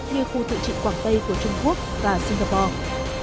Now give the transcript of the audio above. như khu tự trị quảng tây của trung quốc và singapore